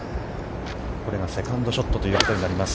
これがセカンドショットということになります。